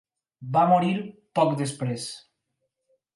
Va morir poc després.